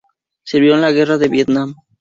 Sirvió en la guerra de Vietnam.